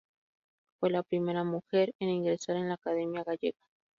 Fue la primera mujer en ingresar en la Academia Gallega.